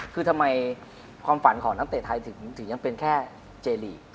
คือทำไมความฝันของนักเตะไทยถึงยังเป็นแค่เจลีก